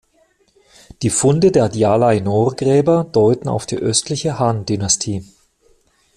Die Funde der Djalai-Nor-Gräber deuten auf die Östliche Han-Dynastie.